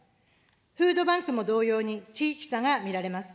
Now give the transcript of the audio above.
フードバンクも同様に、地域差が見られます。